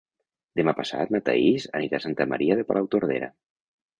Demà passat na Thaís anirà a Santa Maria de Palautordera.